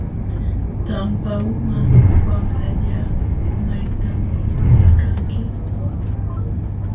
Tampa uma wamlalla ¿maytam liykanki?